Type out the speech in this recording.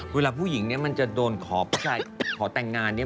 เวลาผู้หญิงเนี่ยมันจะโดนขอผู้ชายขอแต่งงานเนี่ย